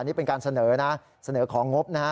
อันนี้เป็นการเสนอของงบ